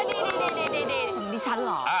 สถานที่ฉันหรอ